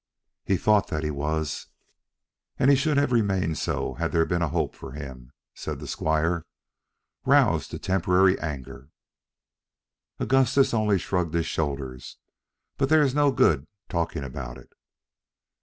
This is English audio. "He thought that he was." "And should have remained so had there been a hope for him," said the squire, roused to temporary anger. Augustus only shrugged his shoulders. "But there is no good talking about it."